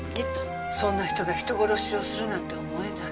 そんな人が人殺しをするなんて思えない。